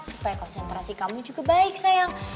supaya konsentrasi kamu juga baik sayang